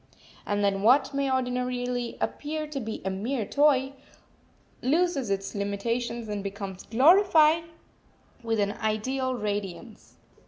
And then what may ordinarily appear to be a mere toy loses its limitations and becomes glorified with an ideal radiance.